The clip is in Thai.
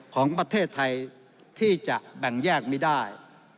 ของประเทศไทยที่จะแบ่งแยกไม่ได้